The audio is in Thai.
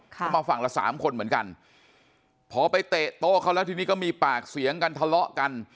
เข้ามาฝั่งละสามคนเหมือนกันพอไปเตะโต๊ะเขาแล้วทีนี้ก็มีปากเสียงกันทะเลาะกัน